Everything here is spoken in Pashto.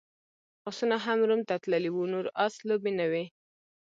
اسونه هم روم ته تللي وو، نور اس لوبې نه وې.